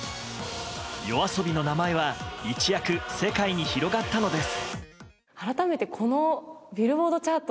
ＹＯＡＳＯＢＩの名前は一躍、世界に広がったのです。